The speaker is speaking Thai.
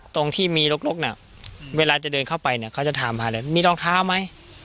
ตรงที่มีลกน่ะเวลาจะเดินเข้าไปเนี่ยเขาจะถามพาเลยมีรองเท้าไหม